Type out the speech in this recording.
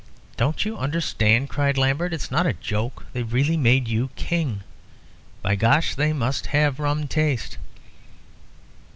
"Don't you understand?" cried Lambert. "It's not a joke. They've really made you King. By gosh! they must have rum taste."